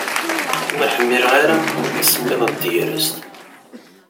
Ur ḥmmileɣ ara asemmiḍ n tegrest.